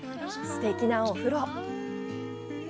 すてきなお風呂。